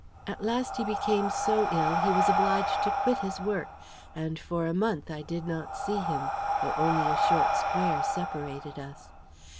"At last he became so ill, he was obliged to quit his work, and for a month I did not see him, though only a short square separated us.